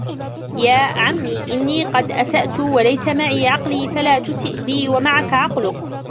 يَا عَمِّ إنِّي قَدْ أَسَأْت وَلَيْسَ مَعِي عَقْلِي فَلَا تُسِئْ بِي وَمَعَك عَقْلُك